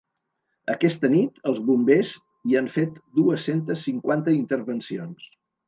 Aquesta nit, els bombers hi han fet dues-centes cinquanta intervencions.